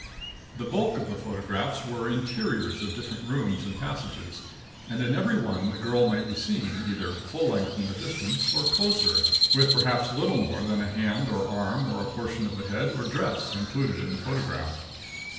The bulk of the photographs were of interiors of different rooms and passages and in every one the girl might be seen, either full length in the distance or closer, with perhaps little more than a hand or arm or portion of the head or dress included in the photograph.